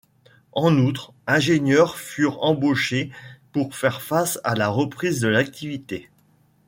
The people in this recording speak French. En outre, ingénieurs furent embauchés pour faire face à la reprise de l’activité.